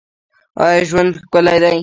آیا ژوند ښکلی دی؟